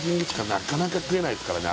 なかなか食えないですからね